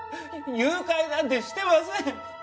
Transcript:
誘拐なんてしてません。